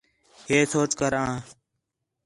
ہے سوچ کر آں